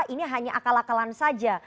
ini hanya akal akalan saja